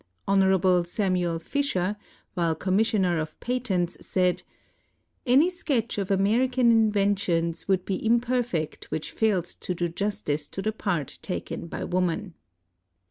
Hon. Samuel Fisher, while Commissioner of Patents, said :" Any sketch of American inventions would he imperfect which failed to do justice to the part taken by woman."